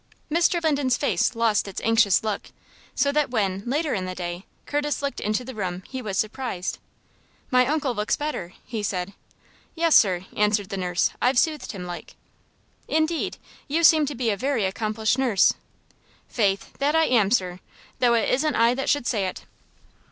Mr. Linden's face lost its anxious look so that when, later in the day, Curtis looked into the room he was surprised. "My uncle looks better," he said. "Yes, sir," answered the nurse. "I've soothed him like." "Indeed! You seem to be a very accomplished nurse." "Faith, that I am, sir, though it isn't I that should say it."